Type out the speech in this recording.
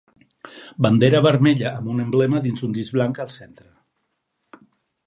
Bandera vermella amb un emblema dins un disc blanc al centre.